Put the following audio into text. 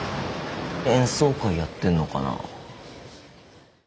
演奏会やってんのかな？